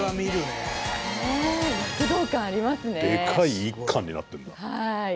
でかい１貫になってんだ。